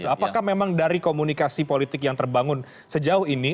apakah memang dari komunikasi politik yang terbangun sejauh ini